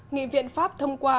nghị viện pháp thông qua